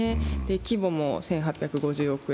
規模も１８５０億円。